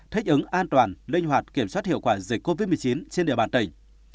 thích ứng an toàn linh hoạt kiểm soát hiệu quả dịch covid một mươi chín trên địa bàn tỉnh